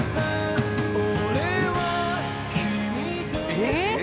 えっ！？